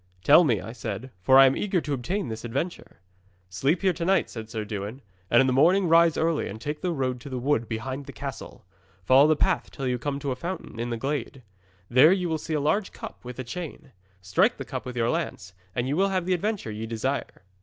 '"Tell me," I said, "for I am eager to obtain this adventure." '"Sleep here to night," said Sir Dewin, "and in the morning rise early, and take the road to the wood behind the castle. Follow the path till you come to a fountain in a glade. There you will see a large cup, with a chain. Strike the cup with your lance, and you will have the adventure ye desire."